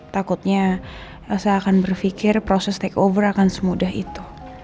takutnya elsa akan berpikir proses takeover akan semudah itu